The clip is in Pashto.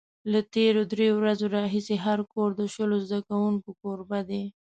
له تېرو درېیو ورځو راهیسې هر کور د شلو زده کوونکو کوربه دی.